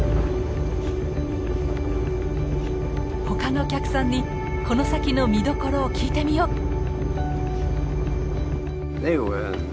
他のお客さんにこの先の見どころを聞いてみよう！